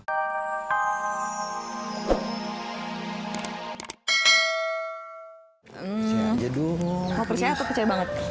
kau percaya atau percaya banget